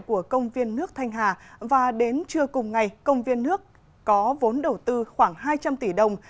của công viên nước thanh hà và đến trưa cùng ngày công viên nước có vốn đầu tư khoảng hai trăm linh tỷ đồng